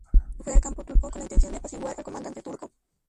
Fue al campo turco con la intención de apaciguar al comandante turco.